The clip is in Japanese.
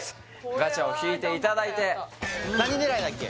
ガチャを引いていただいて何狙いだっけ？